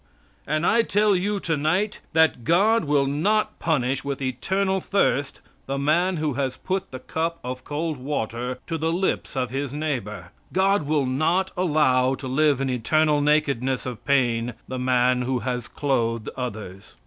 And I tell you tonight that God will not punish with eternal thirst the man who has put the cup of cold water to the lips of his neighbor. God will not allow to live in eternal nakedness of pain the man who has clothed others.